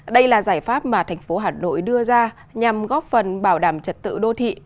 đây là giải pháp mà thành phố hà nội đưa ra nhằm góp phần bảo đảm trật tự đô thị